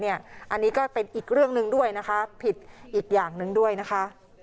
อันนี้ก็เป็นอีกเรื่องหนึ่งด้วยนะคะผิดอีกอย่างหนึ่งด้วยนะคะ